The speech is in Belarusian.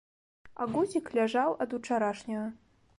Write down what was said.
А гузік ляжаў ад учарашняга.